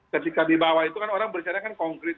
ketika dibawa itu kan orang bercerita kan konkret